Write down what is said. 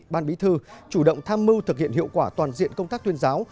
ban bí thư chủ động tham mưu thực hiện hiệu quả toàn diện công tác tuyên giáo